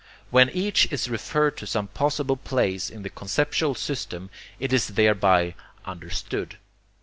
When each is referred to some possible place in the conceptual system, it is thereby 'understood.'